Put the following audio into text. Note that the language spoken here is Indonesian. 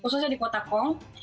khususnya di kota kong